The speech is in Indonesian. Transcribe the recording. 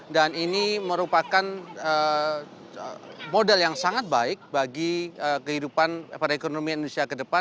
dan ini merupakan model yang sangat baik bagi kehidupan ekonomi indonesia ke depan